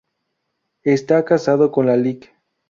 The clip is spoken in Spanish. Esta casado con la Lic.